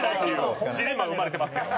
ジレンマ生まれてますけど。